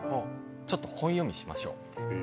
ちょっと本読みしましょう。